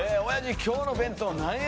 今日の弁当何や！！